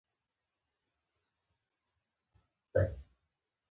د لاس دو نوګالس شاوخوا سیمې د مکسیکو ایالت برخه وې.